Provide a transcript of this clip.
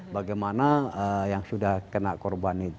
bagaimana yang sudah kena korban itu